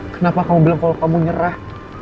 kenapa kamu bilang kalau kamu nyerah